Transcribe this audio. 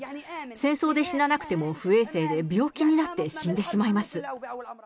戦争で死ななくても不衛生で病気になって死んでしまいます。